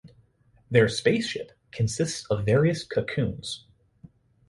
The "spaceship" consists of various "cocoons".